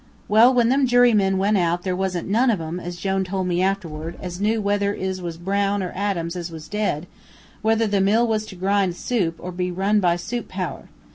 "Well, when them jurymen went out, there wasn't none of 'em, as Jone tole me afterward, as knew whether is was Brown or Adams as was dead, or whether the mill was to grind soup, or to be run by soup power.